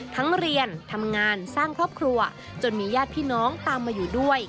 เรียนทำงานสร้างครอบครัวจนมีญาติพี่น้องตามมาอยู่ด้วย